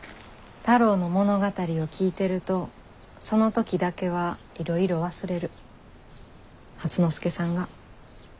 太郎の物語を聞いてるとその時だけはいろいろ忘れる。